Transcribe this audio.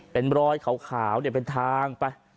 เป็นรอยขาวเป็นทางไป